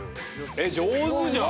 えっ上手じゃん！